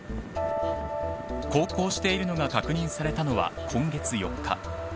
航行しているのが確認されたのは今月４日。